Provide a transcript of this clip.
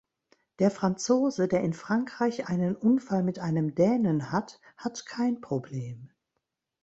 Der Franzose, der in Frankreich einen Unfall mit einem Dänen hat, hat kein Problem.